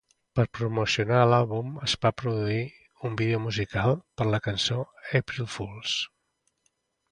Per promocionar l'àlbum, es va produir un vídeo musical per a la cançó "April Fools".